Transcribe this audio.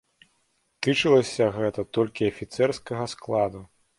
Тычылася гэта толькі афіцэрскага складу.